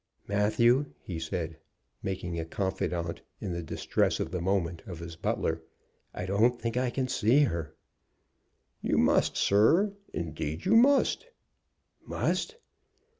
"Matthew," he said, making a confidant, in the distress of the moment of his butler, "I don't think I can see her." "You must, sir; indeed you must." "Must!"